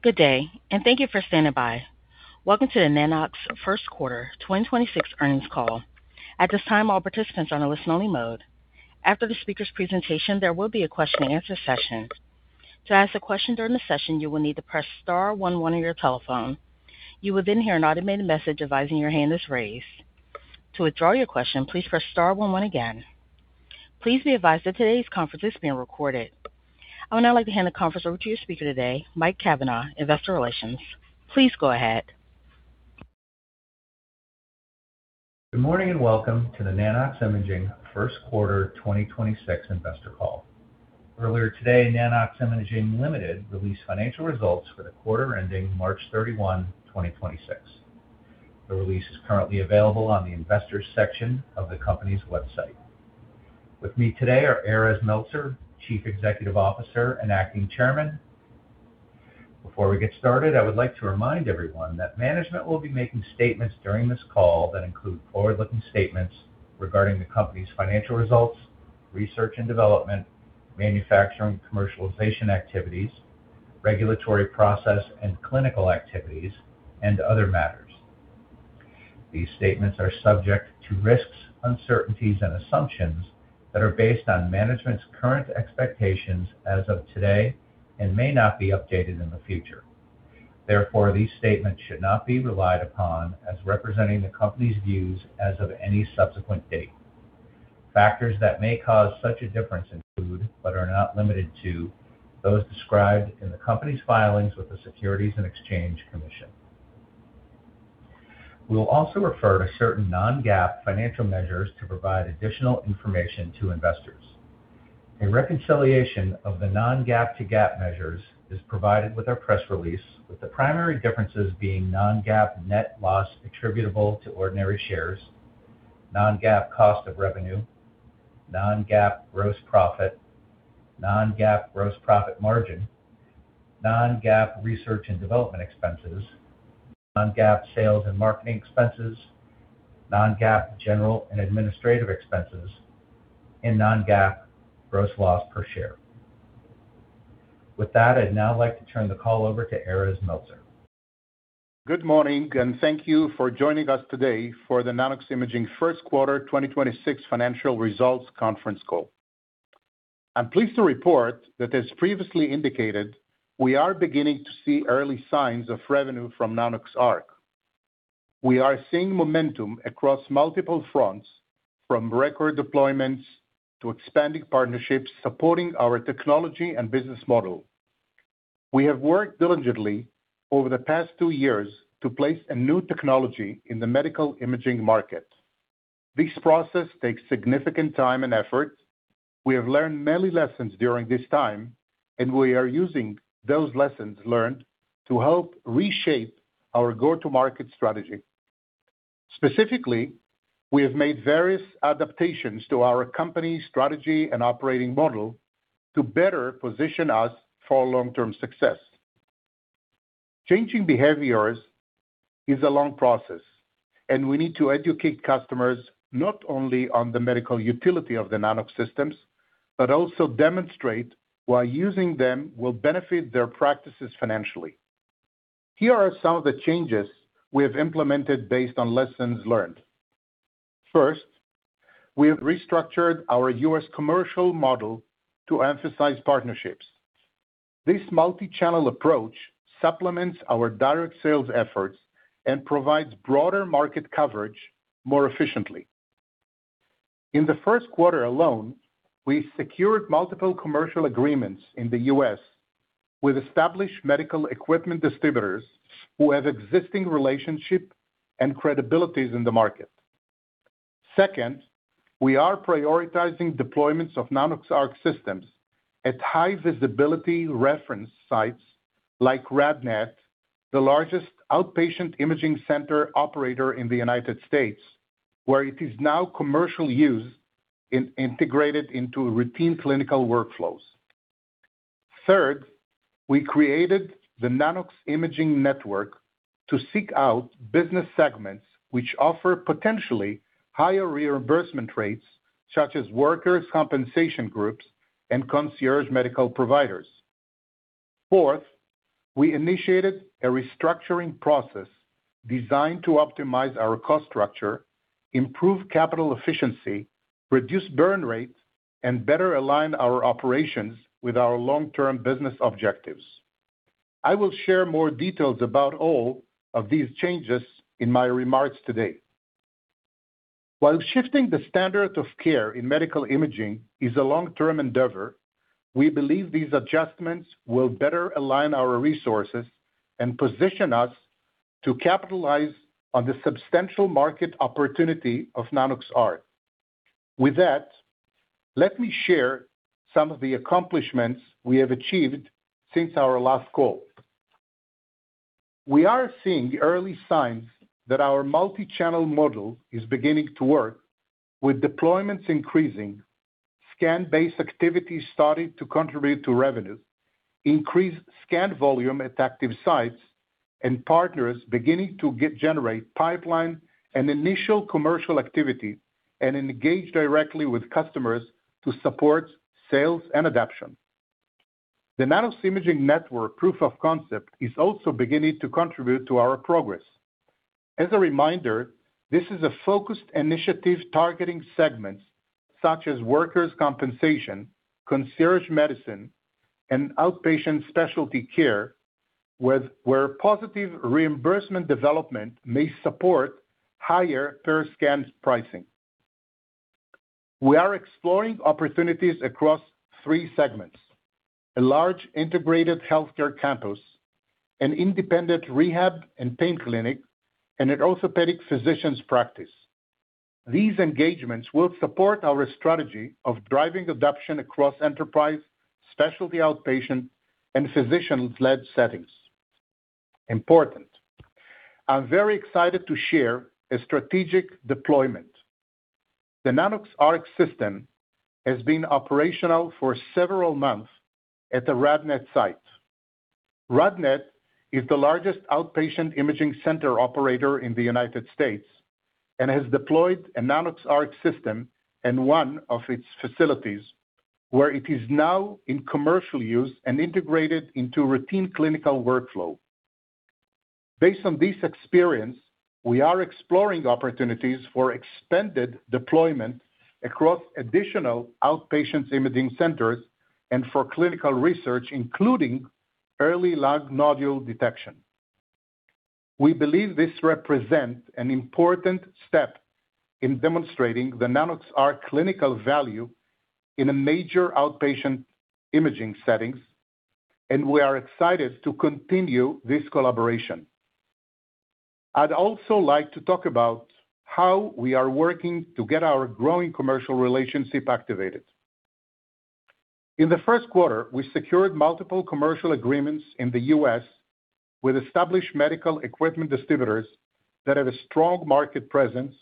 Good day. Thank you for standing by. Welcome to the Nanox first quarter 2026 earnings call. At this time, all participants are in a listen-only mode. After the speaker's presentation, there will be a question and answer session. To ask a question during the session, you will need to press star one one on your telephone. You will hear an automated message advising your hand is raised. To withdraw your question, please press star one one again. Please be advised that today's conference is being recorded. I would now like to hand the conference over to your speaker today, Mike Cavanaugh, investor relations. Please go ahead. Good morning. Welcome to the Nano-X Imaging first quarter 2026 investor call. Earlier today, Nano-X Imaging Ltd. released financial results for the quarter ending March 31, 2026. The release is currently available on the investors section of the company's website. With me today are Erez Meltzer, Chief Executive Officer and Acting Chairman. Before we get started, I would like to remind everyone that management will be making statements during this call that include forward-looking statements regarding the company's financial results, research and development, manufacturing, commercialization activities, regulatory process, and clinical activities, and other matters. These statements are subject to risks, uncertainties and assumptions that are based on management's current expectations as of today and may not be updated in the future. These statements should not be relied upon as representing the company's views as of any subsequent date. Factors that may cause such a difference include, but are not limited to, those described in the company's filings with the Securities and Exchange Commission. We will also refer to certain non-GAAP financial measures to provide additional information to investors. A reconciliation of the non-GAAP to GAAP measures is provided with our press release, with the primary differences being non-GAAP net loss attributable to ordinary shares, non-GAAP cost of revenue, non-GAAP gross profit, non-GAAP gross profit margin, non-GAAP research and development expenses, non-GAAP sales and marketing expenses, non-GAAP general and administrative expenses, and non-GAAP gross loss per share. With that, I'd now like to turn the call over to Erez Meltzer. Good morning. Thank you for joining us today for the Nano-X Imaging first quarter 2026 financial results conference call. I'm pleased to report that, as previously indicated, we are beginning to see early signs of revenue from Nanox.ARC. We are seeing momentum across multiple fronts, from record deployments to expanding partnerships supporting our technology and business model. We have worked diligently over the past two years to place a new technology in the medical imaging market. This process takes significant time and effort. We have learned many lessons during this time. We are using those lessons learned to help reshape our go-to-market strategy. Specifically, we have made various adaptations to our company strategy and operating model to better position us for long-term success. Changing behaviors is a long process. We need to educate customers not only on the medical utility of the Nanox systems, but also demonstrate why using them will benefit their practices financially. Here are some of the changes we have implemented based on lessons learned. First, we have restructured our U.S. commercial model to emphasize partnerships. This multi-channel approach supplements our direct sales efforts and provides broader market coverage more efficiently. In the first quarter alone, we secured multiple commercial agreements in the U.S. with established medical equipment distributors who have existing relationship and credibilities in the market. Second, we are prioritizing deployments of Nanox.ARC systems at high visibility reference sites like RadNet, the largest outpatient imaging center operator in the United States, where it is now commercial use and integrated into routine clinical workflows. Third, we created the Nano-X Imaging Network to seek out business segments which offer potentially higher reimbursement rates, such as workers' compensation groups and concierge medical providers. Fourth, we initiated a restructuring process designed to optimize our cost structure, improve capital efficiency, reduce burn rates, and better align our operations with our long-term business objectives. I will share more details about all of these changes in my remarks today. While shifting the standard of care in medical imaging is a long-term endeavor, we believe these adjustments will better align our resources and position us to capitalize on the substantial market opportunity of Nanox.ARC. With that, let me share some of the accomplishments we have achieved since our last call. We are seeing early signs that our multi-channel model is beginning to work with deployments increasing, scan-based activities starting to contribute to revenue, increased scan volume at active sites. Partners beginning to generate pipeline and initial commercial activity and engage directly with customers to support sales and adoption. The Nano-X Imaging Network proof of concept is also beginning to contribute to our progress. As a reminder, this is a focused initiative targeting segments such as workers' compensation, concierge medicine, and outpatient specialty care, where positive reimbursement development may support higher per-scan pricing. We are exploring opportunities across three segments, a large integrated healthcare campus, an independent rehab and pain clinic, and an orthopedic physician's practice. These engagements will support our strategy of driving adoption across enterprise, specialty outpatient, and physician-led settings. Important. I'm very excited to share a strategic deployment. The Nanox.ARC System has been operational for several months at the RadNet site. RadNet is the largest outpatient imaging center operator in the United States and has deployed a Nanox.ARC System in one of its facilities, where it is now in commercial use and integrated into routine clinical workflow. Based on this experience, we are exploring opportunities for expanded deployment across additional outpatient imaging centers and for clinical research, including early lung nodule detection. We believe this represents an important step in demonstrating the Nanox.ARC clinical value in a major outpatient imaging settings, and we are excited to continue this collaboration. I'd also like to talk about how we are working to get our growing commercial relationship activated. In the first quarter, we secured multiple commercial agreements in the U.S. with established medical equipment distributors that have a strong market presence,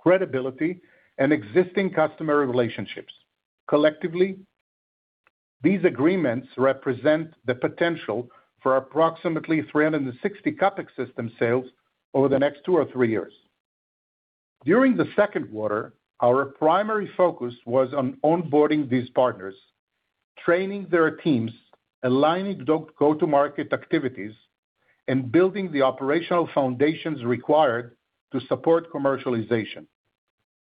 credibility, and existing customer relationships. Collectively, these agreements represent the potential for approximately 360 CapEx system sales over the next two or three years. During the second quarter, our primary focus was on onboarding these partners, training their teams, aligning go-to-market activities, and building the operational foundations required to support commercialization.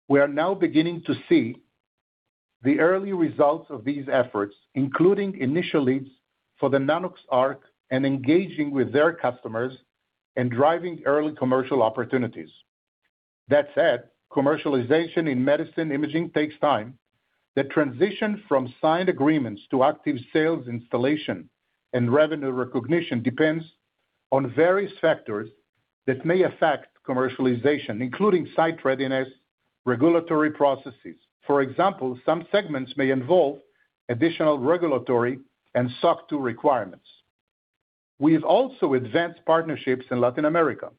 We are now beginning to see the early results of these efforts, including initial leads for the Nanox.ARC and engaging with their customers and driving early commercial opportunities. That said, commercialization in medical imaging takes time. The transition from signed agreements to active sales installation and revenue recognition depends on various factors that may affect commercialization, including site readiness, regulatory processes. For example, some segments may involve additional regulatory and SOC 2 requirements. We've also advanced partnerships in Latin America,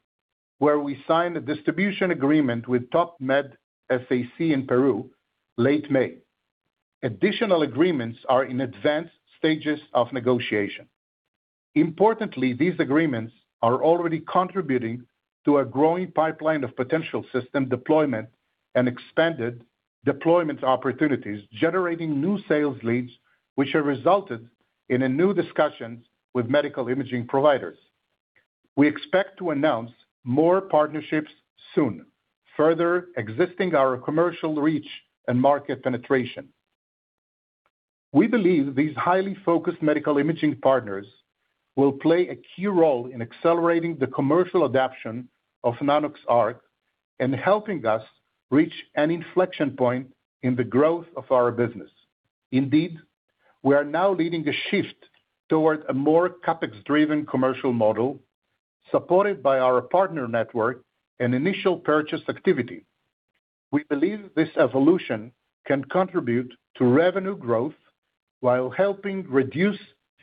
where we signed a distribution agreement with TopMed SAC in Peru late May. Additional agreements are in advanced stages of negotiation. Importantly, these agreements are already contributing to a growing pipeline of potential system deployment and expanded deployment opportunities, generating new sales leads, which have resulted in new discussions with medical imaging providers. We expect to announce more partnerships soon, further extending our commercial reach and market penetration. We believe these highly focused medical imaging partners will play a key role in accelerating the commercial adoption of the Nanox.ARC and helping us reach an inflection point in the growth of our business. Indeed, we are now leading a shift toward a more CapEx-driven commercial model supported by our partner network and initial purchase activity. We believe this evolution can contribute to revenue growth while helping reduce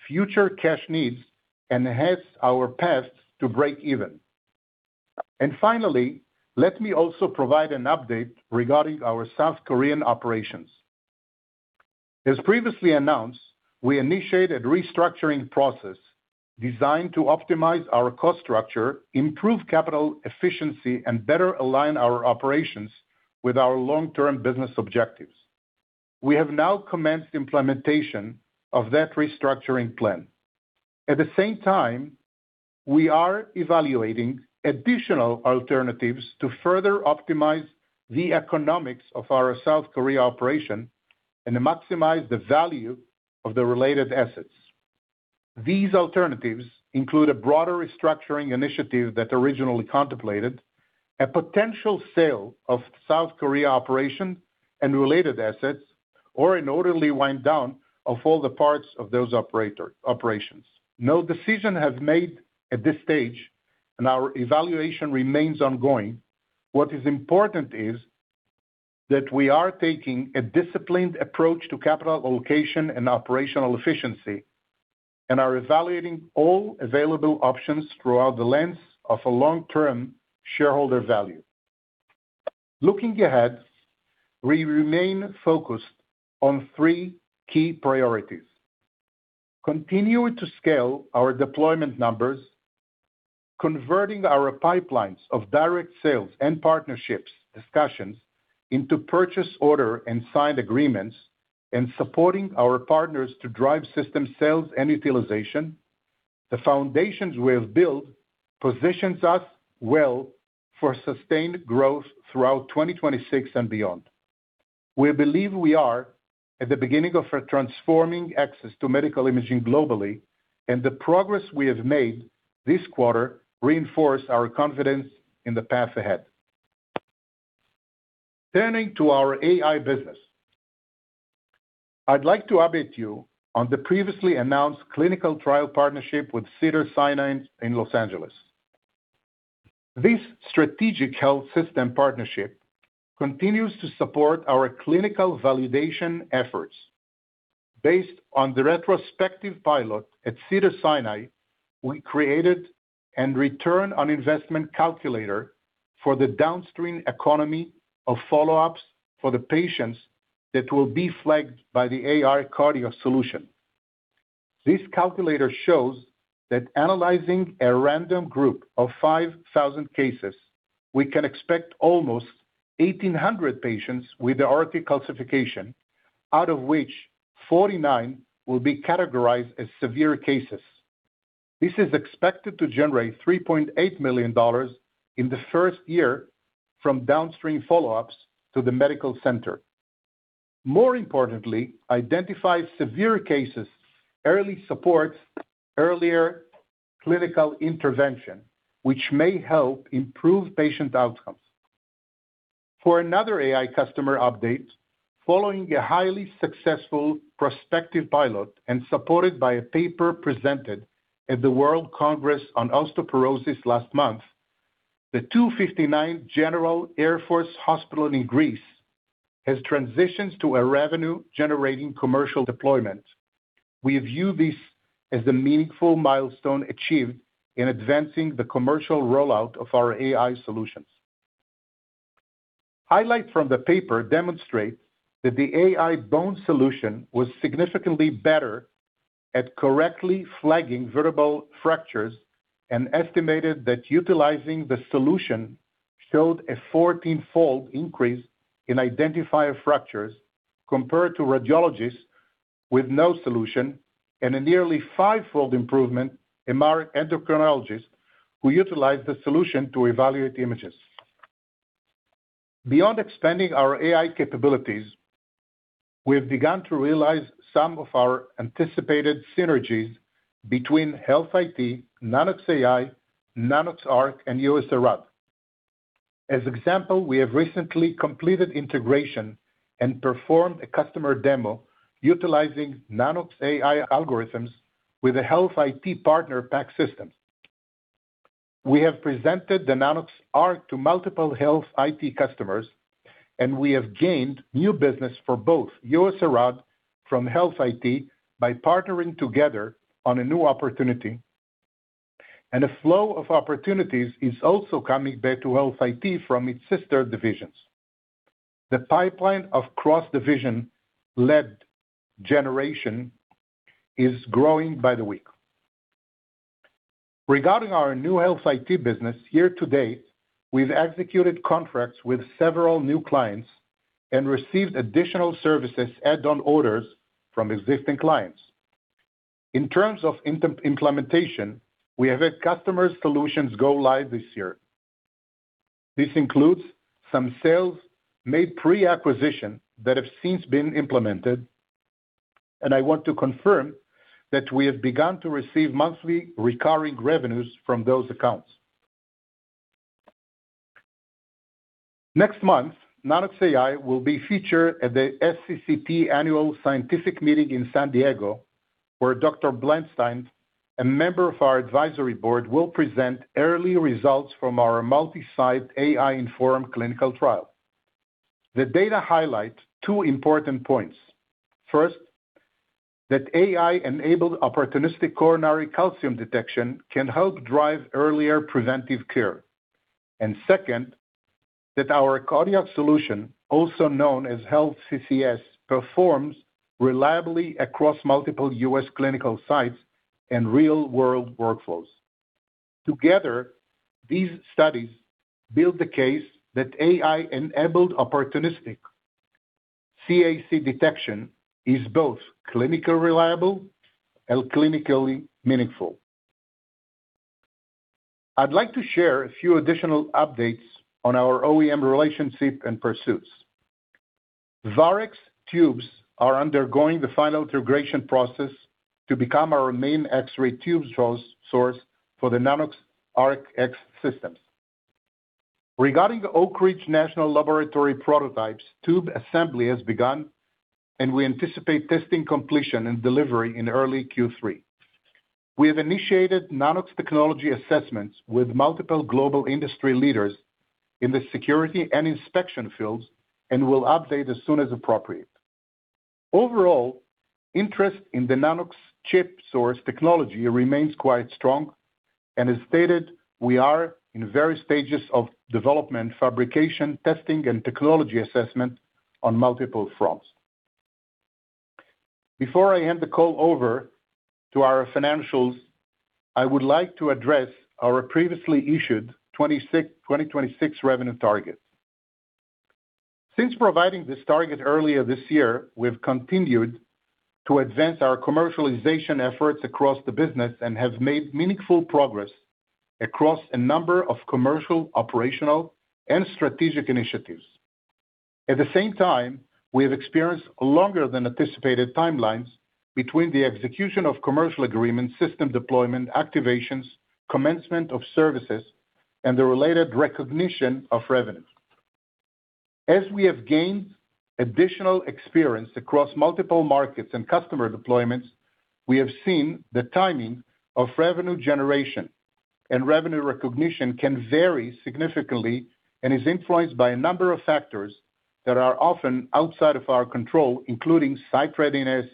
future cash needs and enhance our path to breakeven. Finally, let me also provide an update regarding our South Korean operations. As previously announced, we initiated a restructuring process designed to optimize our cost structure, improve capital efficiency, and better align our operations with our long-term business objectives. We have now commenced implementation of that restructuring plan. At the same time, we are evaluating additional alternatives to further optimize the economics of our South Korea operation and maximize the value of the related assets. These alternatives include a broader restructuring initiative that originally contemplated a potential sale of South Korea operation and related assets, or an orderly wind-down of all the parts of those operations. No decision has made at this stage, and our evaluation remains ongoing. What is important is that we are taking a disciplined approach to capital allocation and operational efficiency and are evaluating all available options throughout the lens of a long-term shareholder value. Looking ahead, we remain focused on three key priorities. Continue to scale our deployment numbers, converting our pipelines of direct sales and partnerships discussions into purchase order and signed agreements, and supporting our partners to drive system sales and utilization. The foundations we have built positions us well for sustained growth throughout 2026 and beyond. We believe we are at the beginning of transforming access to medical imaging globally, and the progress we have made this quarter reinforce our confidence in the path ahead. Turning to our AI business, I'd like to update you on the previously announced clinical trial partnership with Cedars-Sinai in Los Angeles. This strategic health system partnership continues to support our clinical validation efforts. Based on the retrospective pilot at Cedars-Sinai, we created and return on investment calculator for the downstream economy of follow-ups for the patients that will be flagged by the AI cardio solution. This calculator shows that analyzing a random group of 5,000 cases, we can expect almost 1,800 patients with aortic calcification, out of which 49 will be categorized as severe cases. This is expected to generate $3.8 million in the first year from downstream follow-ups to the medical center. More importantly, identified severe cases early supports earlier clinical intervention, which may help improve patient outcomes. For another AI customer update, following a highly successful prospective pilot and supported by a paper presented at the World Congress on Osteoporosis last month, the 251st Hellenic Air Force General Hospital in Greece has transitioned to a revenue-generating commercial deployment. We view this as a meaningful milestone achieved in advancing the commercial rollout of our AI solutions. Highlights from the paper demonstrate that the AI bone solution was significantly better at correctly flagging vertebral fractures, and estimated that utilizing the solution showed a 14-fold increase in identified fractures compared to radiologists with no solution, and a nearly five-fold improvement in our endocrinologists who utilized the solution to evaluate the images. Beyond expanding our AI capabilities, we have begun to realize some of our anticipated synergies between Health IT, Nanox.AI, Nanox.ARC, and USARAD. As example, we have recently completed integration and performed a customer demo utilizing Nanox.AI algorithms with a Health IT partner PACS system. We have presented the Nanox.ARC to multiple Health IT customers, and we have gained new business for both USARAD from Health IT by partnering together on a new opportunity, and a flow of opportunities is also coming back to Health IT from its sister divisions. The pipeline of cross-division lead generation is growing by the week. Regarding our new Health IT business, year to date, we've executed contracts with several new clients and received additional services add-on orders from existing clients. In terms of implementation, we have had customers' solutions go live this year. This includes some sales made pre-acquisition that have since been implemented, I want to confirm that we have begun to receive monthly recurring revenues from those accounts. Next month, Nanox.AI will be featured at the SCCT Annual Scientific Meeting in San Diego, where Dr. Blankstein, a member of our advisory board, will present early results from our multi-site AI-informed clinical trial. The data highlights two important points. First, that AI-enabled opportunistic coronary calcium detection can help drive earlier preventive care. Second, that our cardiac solution, also known as HealthCCSng, performs reliably across multiple U.S. clinical sites and real-world workflows. Together, these studies build the case that AI-enabled opportunistic CAC detection is both clinically reliable and clinically meaningful. I'd like to share a few additional updates on our OEM relationship and pursuits. Varex tubes are undergoing the final integration process to become our main X-ray tube source for the Nanox.ARC X-ray systems. Regarding the Oak Ridge National Laboratory prototypes, tube assembly has begun, We anticipate testing completion and delivery in early Q3. We have initiated Nanox technology assessments with multiple global industry leaders in the security and inspection fields. We will update as soon as appropriate. Overall, interest in the Nanox chip source technology remains quite strong. As stated, we are in various stages of development, fabrication, testing, and technology assessment on multiple fronts. Before I hand the call over to our financials, I would like to address our previously issued 2026 revenue target. Since providing this target earlier this year, we've continued to advance our commercialization efforts across the business and have made meaningful progress across a number of commercial, operational, and strategic initiatives. At the same time, we have experienced longer than anticipated timelines between the execution of commercial agreements, system deployment, activations, commencement of services, and the related recognition of revenue. As we have gained additional experience across multiple markets and customer deployments, we have seen the timing of revenue generation and revenue recognition can vary significantly and is influenced by a number of factors that are often outside of our control, including site readiness,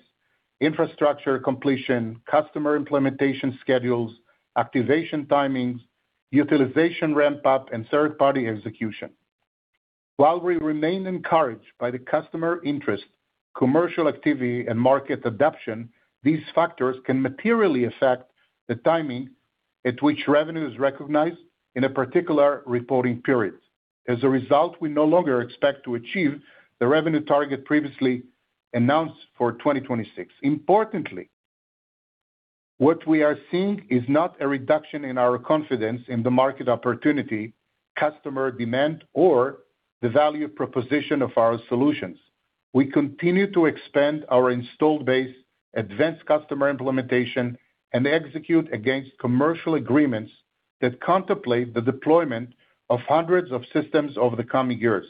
infrastructure completion, customer implementation schedules, activation timings, utilization ramp-up, and third-party execution. While we remain encouraged by the customer interest, commercial activity, and market adoption, these factors can materially affect the timing at which revenue is recognized in a particular reporting period. As a result, we no longer expect to achieve the revenue target previously announced for 2026. Importantly, what we are seeing is not a reduction in our confidence in the market opportunity, customer demand, or the value proposition of our solutions. We continue to expand our installed base, advance customer implementation, and execute against commercial agreements that contemplate the deployment of hundreds of systems over the coming years.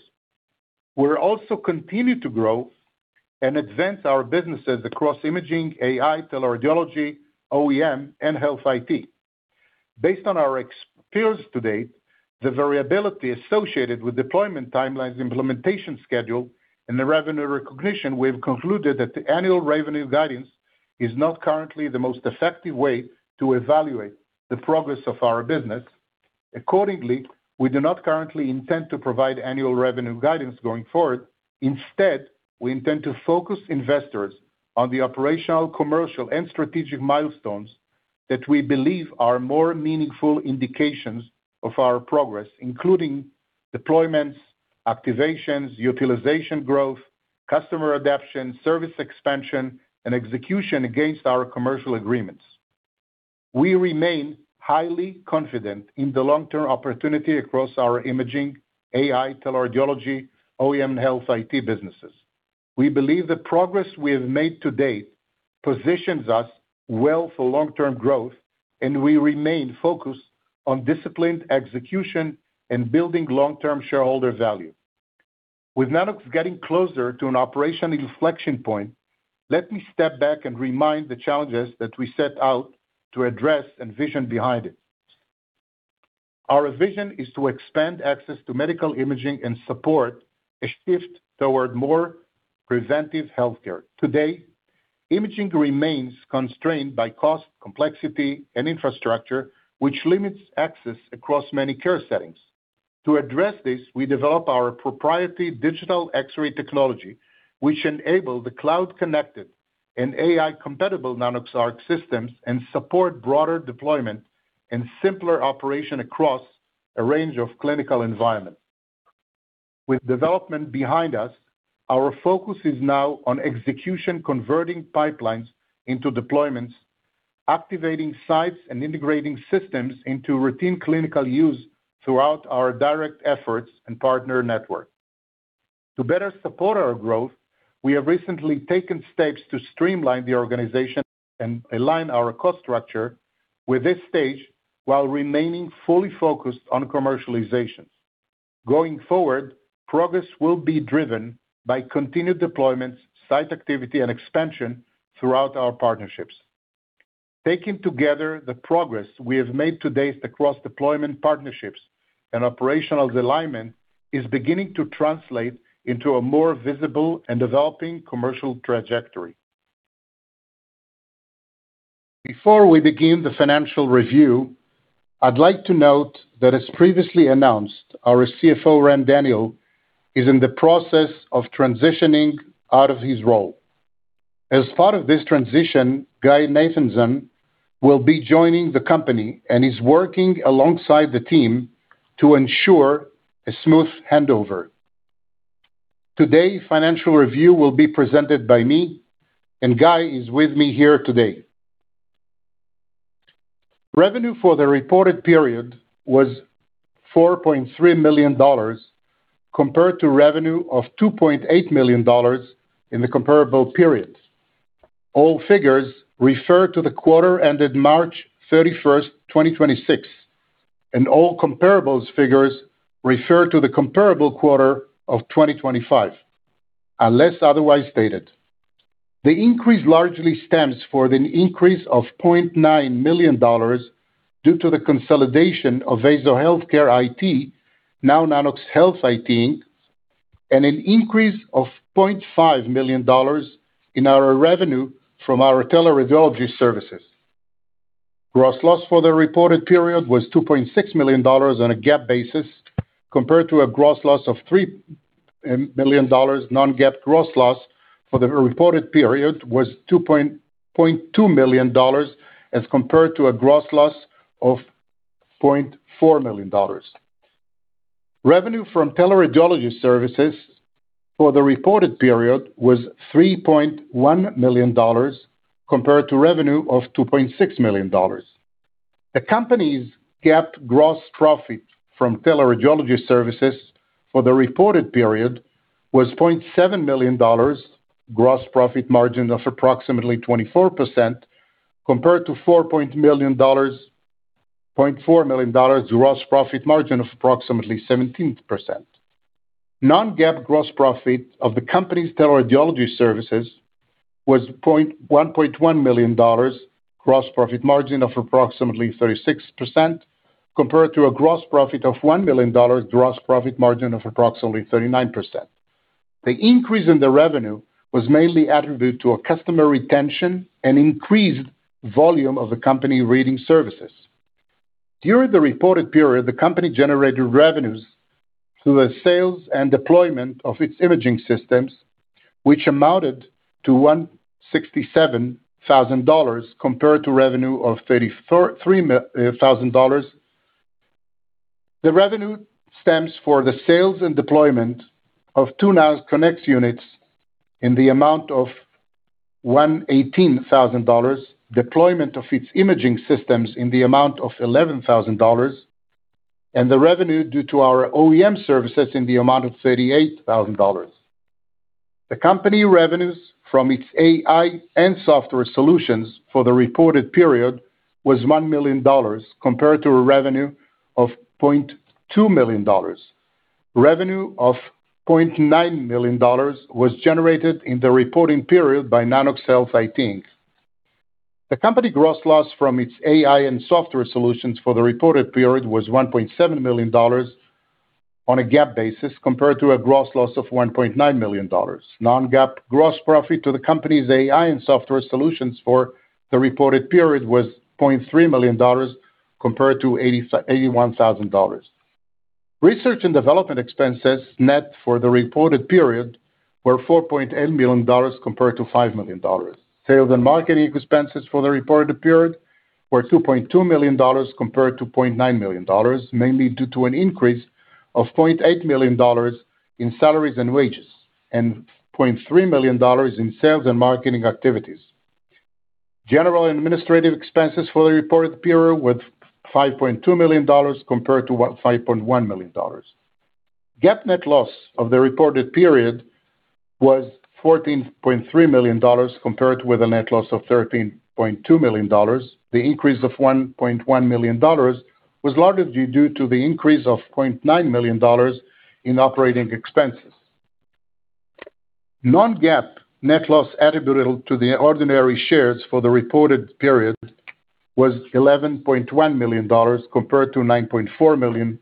We'll also continue to grow and advance our businesses across imaging, AI, teleradiology, OEM, and Health IT. Based on our experience to date, the variability associated with deployment timelines, implementation schedule, and the revenue recognition, we have concluded that the annual revenue guidance is not currently the most effective way to evaluate the progress of our business. Accordingly, we do not currently intend to provide annual revenue guidance going forward. Instead, we intend to focus investors on the operational, commercial, and strategic milestones that we believe are more meaningful indications of our progress, including deployments, activations, utilization growth, customer adoption, service expansion, and execution against our commercial agreements. We remain highly confident in the long-term opportunity across our imaging, AI, teleradiology, OEM, Health IT businesses. We believe the progress we have made to date positions us well for long-term growth, and we remain focused on disciplined execution and building long-term shareholder value. With Nanox getting closer to an operational inflection point, let me step back and remind the challenges that we set out to address and vision behind it. Our vision is to expand access to medical imaging and support a shift toward more preventive healthcare. Today, imaging remains constrained by cost, complexity, and infrastructure, which limits access across many care settings. To address this, we develop our proprietary digital X-ray technology, which enable the cloud-connected and AI-compatible Nanox.ARC systems and support broader deployment and simpler operation across a range of clinical environments. With development behind us, our focus is now on execution, converting pipelines into deployments, activating sites, and integrating systems into routine clinical use throughout our direct efforts and partner network. To better support our growth, we have recently taken steps to streamline the organization and align our cost structure with this stage, while remaining fully focused on commercialization. Going forward, progress will be driven by continued deployments, site activity, and expansion throughout our partnerships. Taken together, the progress we have made to date across deployment partnerships and operational alignment is beginning to translate into a more visible and developing commercial trajectory. Before we begin the financial review, I'd like to note that as previously announced, our CFO, Ran Daniel, is in the process of transitioning out of his role. As part of this transition, Guy Nathansohn will be joining the company and is working alongside the team to ensure a smooth handover. Today's financial review will be presented by me, and Guy is with me here today. Revenue for the reported period was $4.3 million compared to revenue of $2.8 million in the comparable period. All figures refer to the quarter ended March 31st, 2026, and all comparables figures refer to the comparable quarter of 2025, unless otherwise stated. The increase largely stems from an increase of $0.9 million due to the consolidation of VasoHealthcare IT, now Nanox Health IT Inc, and an increase of $0.5 million in our revenue from our teleradiology services. Gross loss for the reported period was $2.6 million on a GAAP basis, compared to a gross loss of $3 million. Non-GAAP gross loss for the reported period was $2.2 million as compared to a gross loss of $0.4 million. Revenue from teleradiology services for the reported period was $3.1 million, compared to revenue of $2.6 million. The company's GAAP gross profit from teleradiology services for the reported period was $0.7 million, gross profit margin of approximately 24%, compared to $0.4 million, gross profit margin of approximately 17%. Non-GAAP gross profit of the company's teleradiology services was $1.1 million, gross profit margin of approximately 36%, compared to a gross profit of $1 million, gross profit margin of approximately 39%. The increase in the revenue was mainly attributed to a customer retention and increased volume of the company reading services. During the reported period, the company generated revenues through the sales and deployment of its imaging systems, which amounted to $167,000 compared to revenue of $33,000. The revenue stems from the sales and deployment of two Nanox.CONNECT units in the amount of $118,000, deployment of its imaging systems in the amount of $11,000, and the revenue due to our OEM services in the amount of $38,000. The company revenues from its AI and software solutions for the reported period was $1 million compared to a revenue of $0.2 million. Revenue of $0.9 million was generated in the reporting period by Nanox Health IT Inc. The company gross loss from its AI and software solutions for the reported period was $1.7 million on a GAAP basis compared to a gross loss of $1.9 million. Non-GAAP gross profit to the company's AI and software solutions for the reported period was $0.3 million compared to $81,000. Research and development expenses net for the reported period were $4.8 million compared to $5 million. Sales and marketing expenses for the reported period were $2.2 million compared to $0.9 million, mainly due to an increase of $0.8 million in salaries and wages, and $0.3 million in sales and marketing activities. General and administrative expenses for the reported period were $5.2 million compared to $5.1 million. GAAP net loss of the reported period was $14.3 million, compared with a net loss of $13.2 million. The increase of $1.1 million was largely due to the increase of $0.9 million in operating expenses. Non-GAAP net loss attributable to the ordinary shares for the reported period was $11.1 million compared to $9.4 million,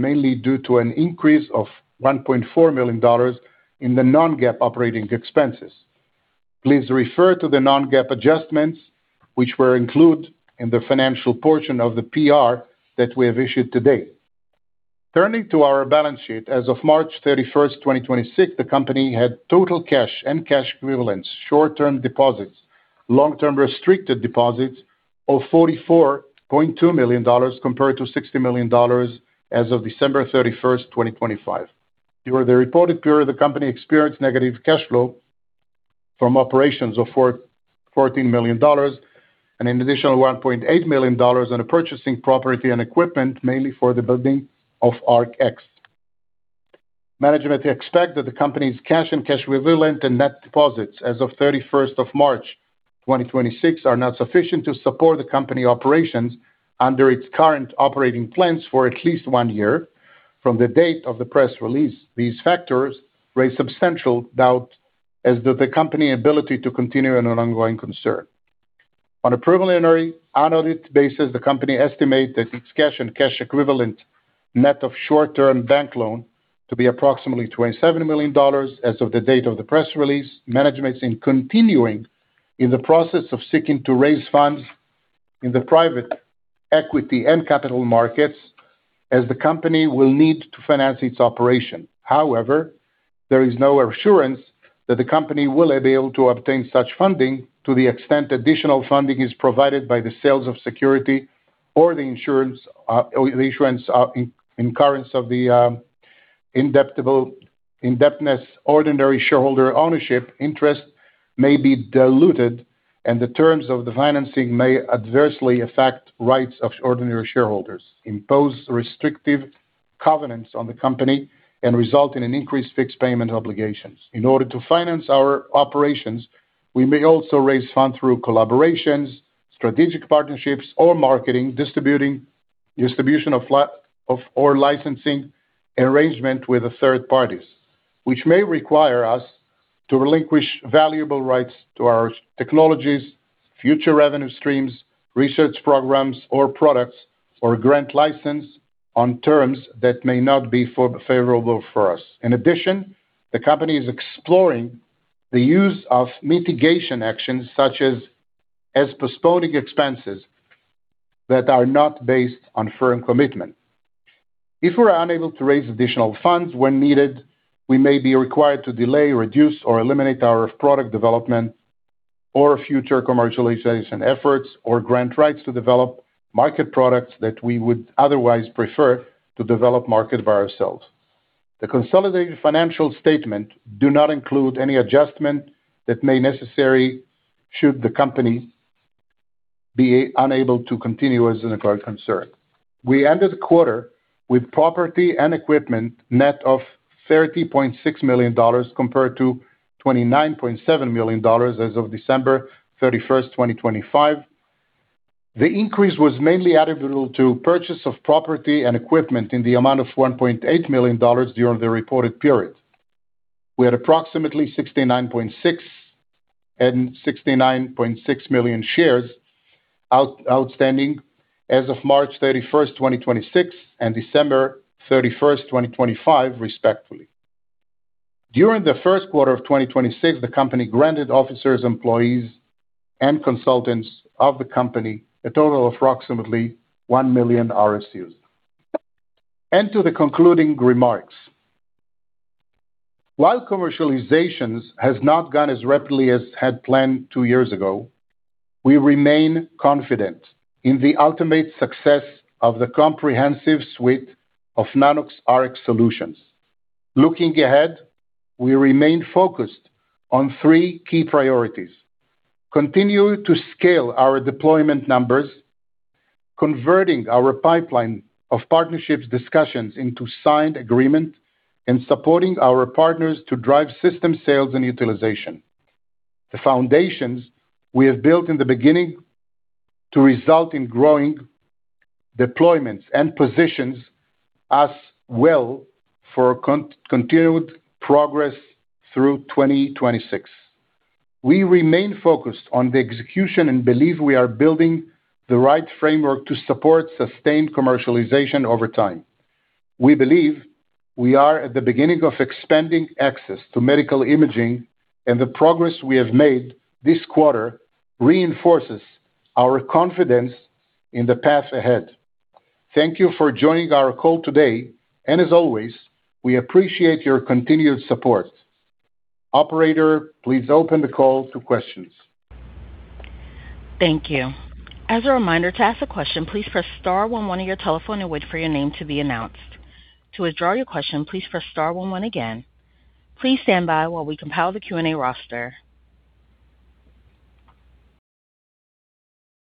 mainly due to an increase of $1.4 million in the non-GAAP operating expenses. Please refer to the non-GAAP adjustments, which were included in the financial portion of the PR that we have issued today. Turning to our balance sheet, as of March 31st, 2026, the company had total cash and cash equivalents, short-term deposits, long-term restricted deposits of $44.2 million compared to $60 million as of December 31st, 2025. During the reported period, the company experienced negative cash flow from operations of $14 million, and an additional $1.8 million on a purchasing property and equipment, mainly for the building of ARC X. Management expect that the company's cash and cash equivalents and net deposits as of 31st of March 2026 are now sufficient to support the company operations under its current operating plans for at least one year from the date of the press release. These factors raise substantial doubt as to the company ability to continue as a going concern. On a preliminary unaudited basis, the company estimate that its cash and cash equivalents net of short-term bank loan to be approximately $27 million as of the date of the press release. Management is continuing in the process of seeking to raise funds in the private equity and capital markets as the company will need to finance its operation. There is no assurance that the company will be able to obtain such funding to the extent additional funding is provided by the sales of security or the issuance, in incurrence of the indebtedness ordinary shareholder ownership interest may be diluted, and the terms of the financing may adversely affect rights of ordinary shareholders, impose restrictive covenants on the company, and result in an increased fixed payment obligations. In order to finance our operations, we may also raise funds through collaborations, strategic partnerships, or marketing, distribution or licensing arrangement with the third parties, which may require us to relinquish valuable rights to our technologies, future revenue streams, research programs, or products, or grant license on terms that may not be favorable for us. In addition, the company is exploring the use of mitigation actions such as postponing expenses that are not based on firm commitment. If we're unable to raise additional funds when needed, we may be required to delay, reduce, or eliminate our product development or future commercialization efforts, or grant rights to develop market products that we would otherwise prefer to develop market by ourselves. The consolidated financial statement do not include any adjustment that may necessary, should the company be unable to continue as a going concern. We ended the quarter with property and equipment net of $30.6 million, compared to $29.7 million as of December 31st, 2025. The increase was mainly attributable to purchase of property and equipment in the amount of $1.8 million during the reported period. We had approximately 69.6 million shares outstanding as of March 31st, 2026 and December 31st, 2025, respectively. During the first quarter of 2026, the company granted officers, employees, and consultants of the company a total of approximately 1 million RSUs. To the concluding remarks. While commercializations has not gone as rapidly as had planned two years ago, we remain confident in the ultimate success of the comprehensive suite of Nanox.AI solutions. Looking ahead, we remain focused on three key priorities. Continue to scale our deployment numbers, converting our pipeline of partnerships discussions into signed agreement, and supporting our partners to drive system sales and utilization. The foundations we have built in the beginning to result in growing deployments and positions us well for continued progress through 2026. We remain focused on the execution and believe we are building the right framework to support sustained commercialization over time. We believe we are at the beginning of expanding access to medical imaging, and the progress we have made this quarter reinforces our confidence in the path ahead. Thank you for joining our call today, and as always, we appreciate your continued support. Operator, please open the call to questions. Thank you. As a reminder, to ask a question, please press star one one on your telephone and wait for your name to be announced. To withdraw your question, please press star one one again. Please stand by while we compile the Q&A roster.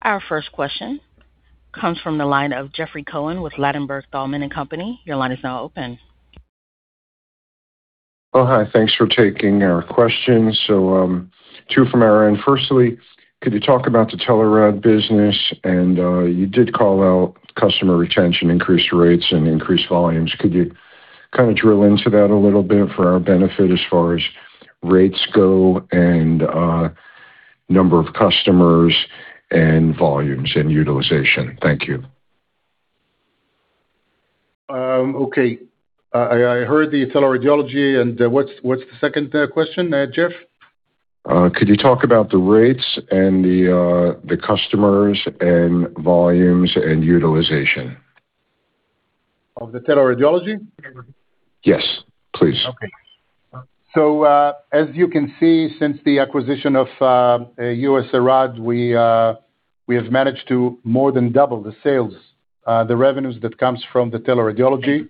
Our first question comes from the line of Jeffrey Cohen with Ladenburg Thalmann and Company. Your line is now open. Hi. Thanks for taking our question. Two from our end. Firstly, could you talk about the telerad business? You did call out customer retention, increased rates, and increased volumes. Could you kind of drill into that a little bit for our benefit as far as rates go and number of customers and volumes and utilization? Thank you. Okay. I heard the teleradiology, what's the second question, Jeff? Could you talk about the rates and the customers and volumes and utilization? Of the teleradiology? Yes, please. As you can see, since the acquisition of USARAD, we have managed to more than double the sales, the revenues that comes from the teleradiology.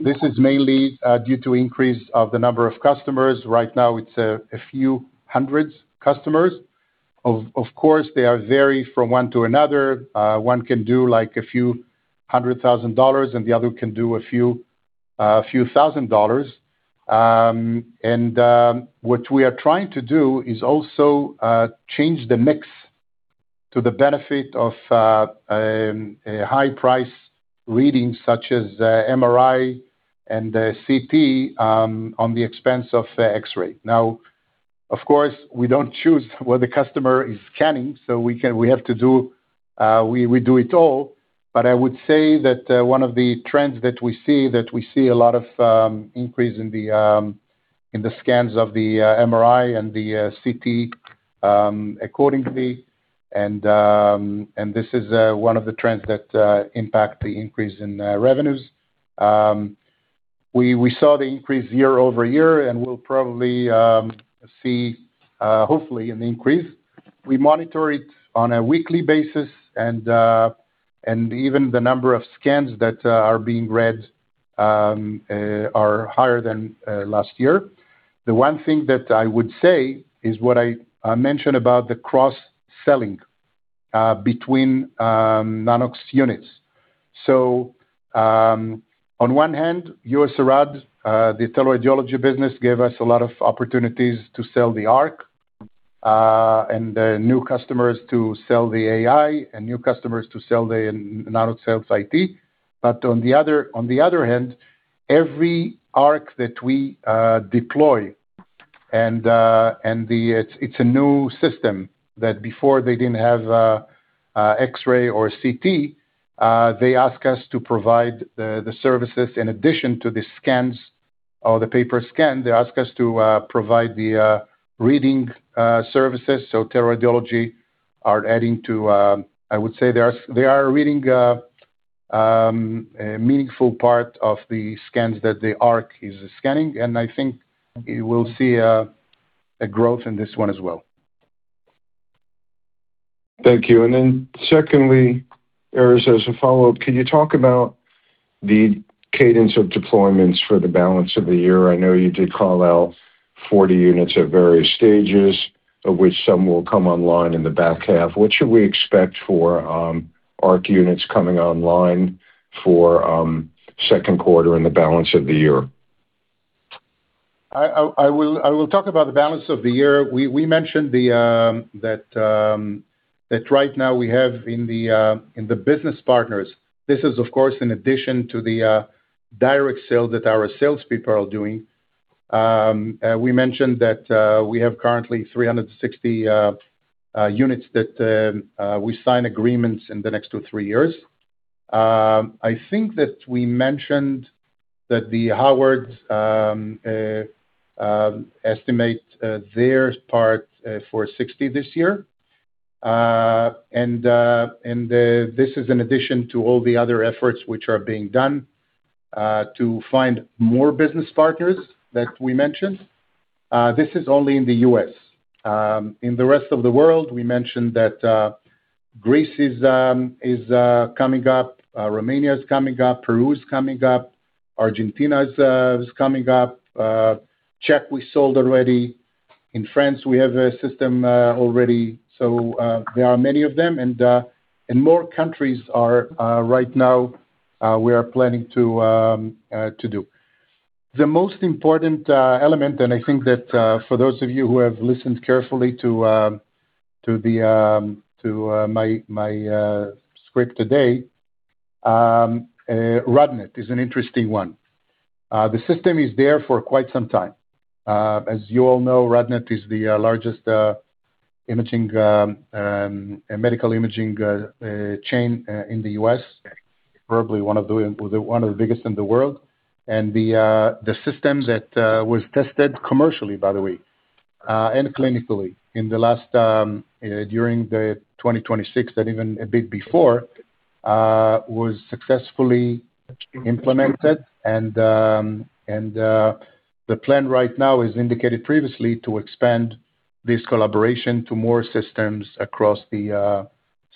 This is mainly due to increase of the number of customers. Right now, it's a few hundred customers. Of course, they are vary from one to another. One can do like a few hundred thousand dollars, and the other can do a few thousand dollars. What we are trying to do is also change the mix to the benefit of high-price readings such as MRI and CT, on the expense of the X-ray. Of course, we don't choose what the customer is scanning, so we do it all. I would say that one of the trends that we see, that we see a lot of increase in the scans of the MRI and the CT accordingly, this is one of the trends that impact the increase in revenues. We saw the increase year-over-year, we'll probably see, hopefully, an increase. We monitor it on a weekly basis, even the number of scans that are being read are higher than last year. The one thing that I would say is what I mentioned about the cross-selling between Nanox units. On one hand, USARAD, the teleradiology business, gave us a lot of opportunities to sell the Arc. New customers to sell the AI, new customers to sell the Nanox Health IT. On the other hand, every Nanox.ARC that we deploy, it's a new system, that before they didn't have X-ray or CT, they ask us to provide the services in addition to the scans or the paper scan. They ask us to provide the reading services, teleradiology are adding to I would say they are reading a meaningful part of the scans that the Nanox.ARC is scanning, I think we'll see a growth in this one as well. Thank you. Secondly, Erez, as a follow-up, can you talk about the cadence of deployments for the balance of the year? I know you did call out 40 units at various stages, of which some will come online in the back half. What should we expect for Nanox.ARC units coming online for second quarter and the balance of the year? I will talk about the balance of the year. We mentioned that right now we have in the business partners, this is, of course, in addition to the direct sale that our salespeople are doing. We mentioned that we have currently 360 units that we sign agreements in the next two, three years. I think that we mentioned that Howard estimate their part for 60 this year. This is in addition to all the other efforts which are being done, to find more business partners that we mentioned. This is only in the U.S. In the rest of the world, we mentioned that Greece is coming up, Romania is coming up, Peru is coming up, Argentina is coming up. Czech, we sold already. In France, we have a system already. There are many of them, and more countries are right now, we are planning to do. The most important element, I think that for those of you who have listened carefully to my script today, RadNet is an interesting one. The system is there for quite some time. As you all know, RadNet is the largest medical imaging chain in the U.S., probably one of the biggest in the world. The system that was tested commercially, by the way, and clinically during the 2026, and even a bit before, was successfully implemented. The plan right now is indicated previously to expand this collaboration to more systems across the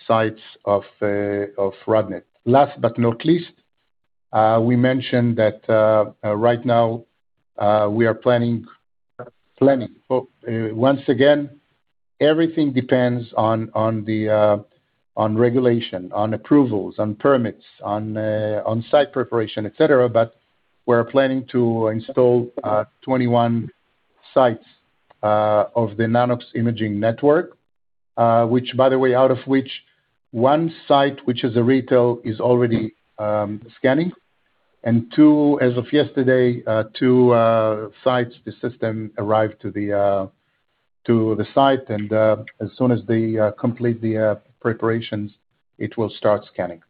sites of RadNet. Last but not least, we mentioned that right now we are planning. Once again, everything depends on regulation, on approvals, on permits, on site preparation, et cetera. We're planning to install 21 sites of the Nano-X Imaging Network, which by the way, out of which one site, which is a retail, is already scanning, and as of yesterday, two sites, the system arrived to the site, and as soon as they complete the preparations, it will start scanning.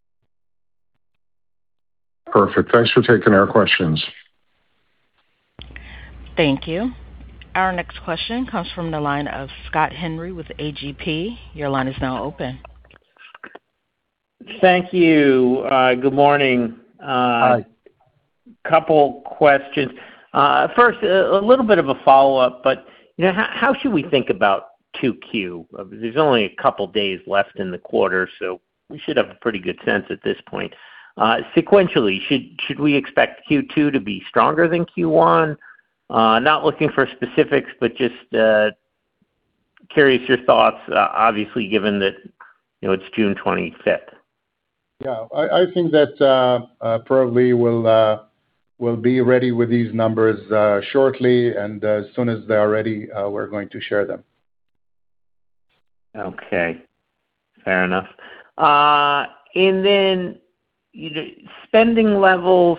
Perfect. Thanks for taking our questions. Thank you. Our next question comes from the line of Scott Henry with A.G.P. Your line is now open. Thank you. Good morning. Hi. Couple questions. First, a little bit of a follow-up, how should we think about 2Q? There's only a couple of days left in the quarter, we should have a pretty good sense at this point. Sequentially, should we expect Q2 to be stronger than Q1? Not looking for specifics, but just curious your thoughts, obviously, given that it's June 25th. Yeah, I think that probably we'll be ready with these numbers shortly, as soon as they are ready, we're going to share them. Okay, fair enough. Spending levels,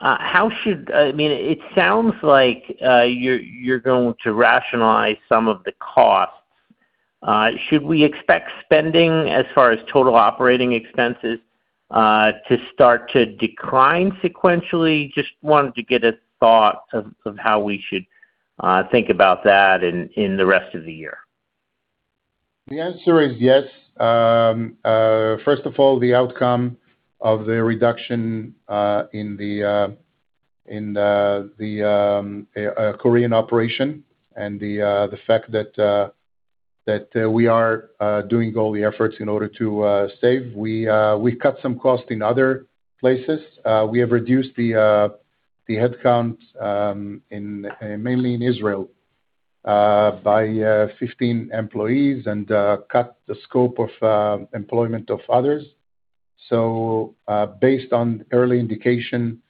it sounds like you're going to rationalize some of the costs. Should we expect spending as far as total operating expenses to start to decline sequentially? Just wanted to get a thought of how we should think about that in the rest of the year. The answer is yes. First of all, the outcome of the reduction in the Korean operation and the fact that we are doing all the efforts in order to save. We cut some costs in other places. We have reduced the headcount mainly in Israel by 15 employees and cut the scope of employment of others. Based on early indication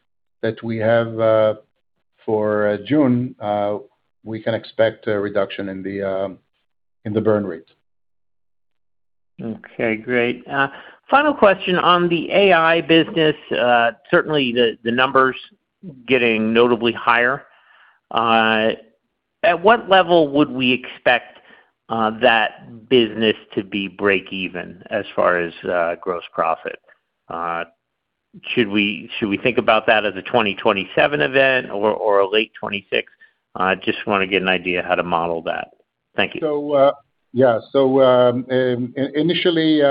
that we have for June, we can expect a reduction in the burn rate. Okay, great. Final question on the AI business. Certainly, the numbers getting notably higher. At what level would we expect that business to be break even as far as gross profit? Should we think about that as a 2027 event or a late 2026? Just want to get an idea how to model that. Thank you. Yeah. Initially,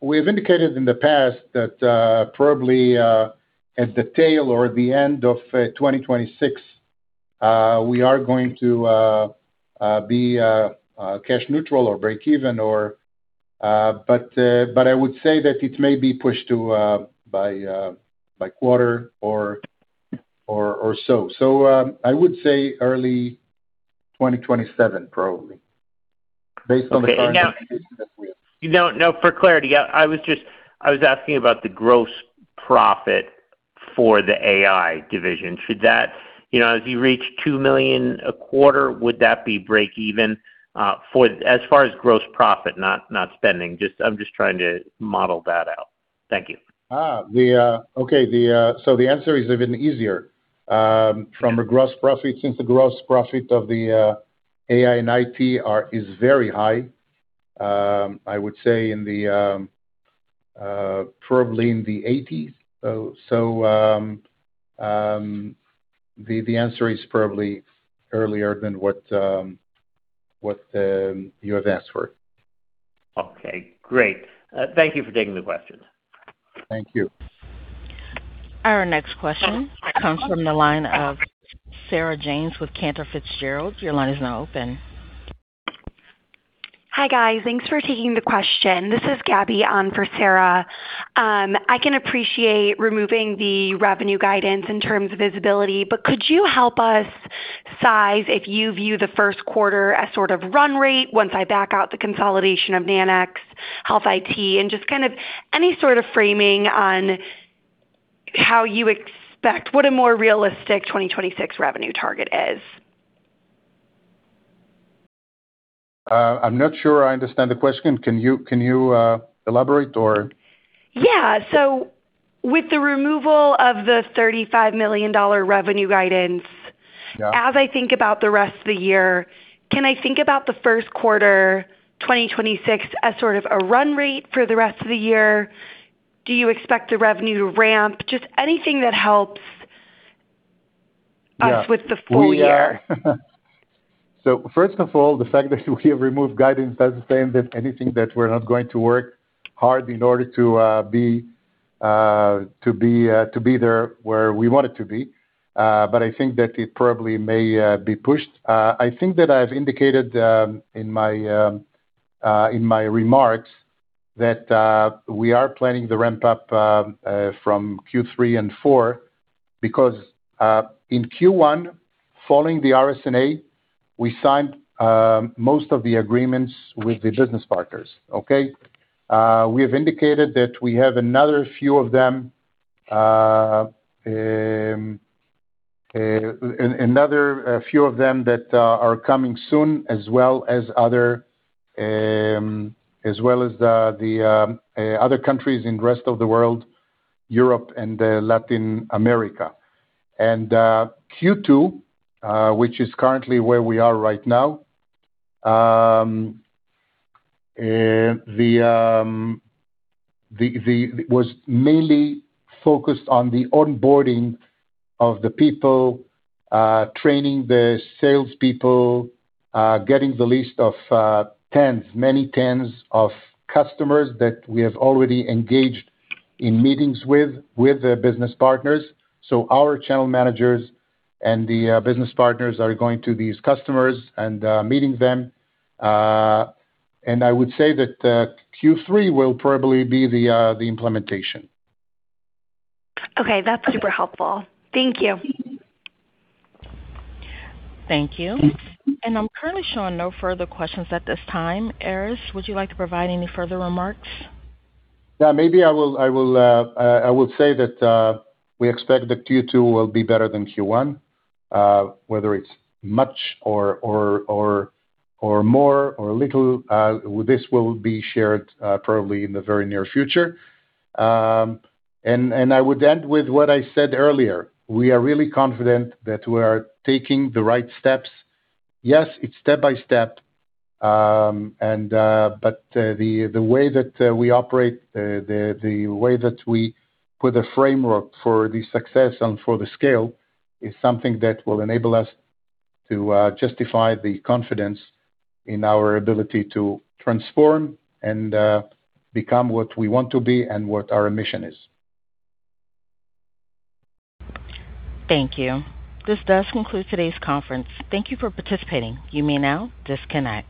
we've indicated in the past that probably at the tail or at the end of 2026, we are going to be cash neutral or break even. I would say that it may be pushed to by quarter or so. I would say early 2027, probably, based on the current. Okay. No, for clarity, I was asking about the gross profit for the AI division. As you reach $2 million a quarter, would that be break even? As far as gross profit, not spending. I am just trying to model that out. Thank you. Okay. The answer is even easier. Since the gross profit of the AI and IT is very high, I would say probably in the 80s. The answer is probably earlier than what you have asked for. Okay, great. Thank you for taking the question. Thank you. Our next question comes from the line of Sarah James with Cantor Fitzgerald. Your line is now open. Hi, guys. Thanks for taking the question. This is Gabby on for Sarah. I can appreciate removing the revenue guidance in terms of visibility, but could you help us size if you view the first quarter as sort of run rate once I back out the consolidation of Nanox Health IT, and just any sort of framing on how you expect, what a more realistic 2026 revenue target is? I'm not sure I understand the question. Can you elaborate, or? Yeah. With the removal of the $35 million revenue guidance. Yeah As I think about the rest of the year, can I think about the first quarter 2026 as sort of a run rate for the rest of the year? Do you expect the revenue to ramp? Just anything that helps. Yeah Us with the full year. First of all, the fact that we have removed guidance doesn't say anything that we're not going to work hard in order to be there where we want it to be. I think that it probably may be pushed. I think that I've indicated in my remarks that we are planning the ramp-up from Q3 and Q4, because, in Q1, following the RSNA, we signed most of the agreements with the business partners. Okay? We have indicated that we have another few of them that are coming soon, as well as the other countries in the rest of the world, Europe and Latin America. Q2, which is currently where we are right now, was mainly focused on the onboarding of the people, training the sales people, getting the list of many tens of customers that we have already engaged in meetings with the business partners. Our channel managers and the business partners are going to these customers and meeting them. I would say that Q3 will probably be the implementation. Okay. That's super helpful. Thank you. Thank you. I'm currently showing no further questions at this time. Erez, would you like to provide any further remarks? Yeah, maybe I would say that we expect that Q2 will be better than Q1, whether it's much or more or little, this will be shared probably in the very near future. I would end with what I said earlier. We are really confident that we are taking the right steps. Yes, it's step-by-step, but the way that we operate, the way that we put a framework for the success and for the scale, is something that will enable us to justify the confidence in our ability to transform and become what we want to be and what our mission is. Thank you. This does conclude today's conference. Thank you for participating. You may now disconnect.